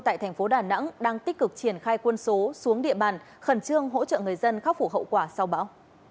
tại thành phố đà nẵng đang tích cực triển khai quân số xuống địa bàn khẩn trương hỗ trợ người dân khắc phục hậu quả sau bão